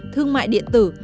thương mại điện tử